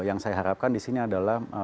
yang saya harapkan di sini adalah